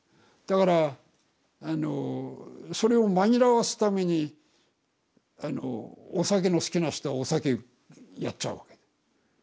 だからあのそれを紛らわすためにお酒の好きな人はお酒やっちゃうわけ。